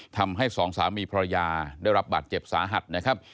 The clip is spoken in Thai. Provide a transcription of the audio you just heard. ทำให้สองสามีภรรยาได้รับบาดเจ็บสาหัสนะครับ